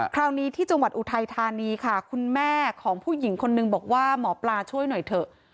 คราวนี้ที่จังหวัดอุทัยธานีค่ะคุณแม่ของผู้หญิงคนนึงบอกว่าหมอปลาช่วยหน่อยเถอะ